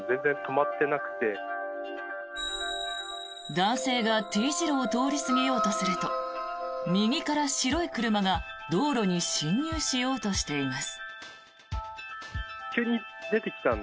男性がＴ字路を通り過ぎようとすると右から白い車が道路に進入しようとしています。